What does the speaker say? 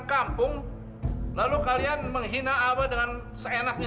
sampai jumpa di video selanjutnya